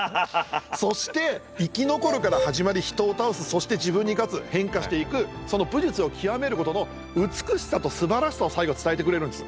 そして生き残るから始まり人を倒すそして自分に勝つ変化していくその武術を極めることの美しさとすばらしさを最後伝えてくれるんです。